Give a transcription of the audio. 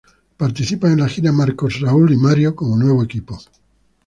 Participan en la gira Marcos, Raul y Mario como nuevo equipo.